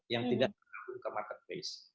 yang tidak terbuka marketplace